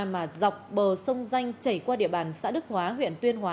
mà dọc bờ sông danh chảy qua địa bàn xã đức hóa huyện tuyên hóa